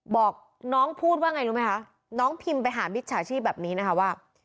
บอกน้องพูดว่าไงรู้ไหมคะน้องพิมพ์ไปหามิจฉาชีพแบบนี้นะคะว่า